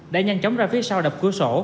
đã nhanh chóng ra phía sau đập cửa sổ